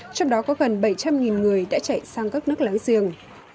trong đó có gần bảy trăm linh người đã chạy sang các nước láng giềng